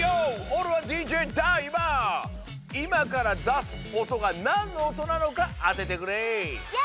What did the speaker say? おれはＤＪいまからだすおとがなんのおとなのかあててくれ！